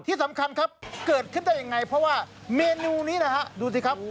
ที่สำคัญครับเกิดขึ้นได้ยังไงเพราะว่าเมนูนี้นะฮะดูสิครับ